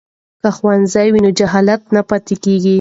که ښوونځی وي نو جهالت نه پاتیږي.